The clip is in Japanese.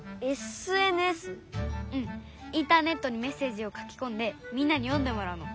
うんインターネットにメッセージを書きこんでみんなに読んでもらうの。